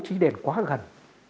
bố trí đèn quá gần